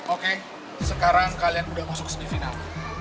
oke sekarang kalian udah masuk semifinal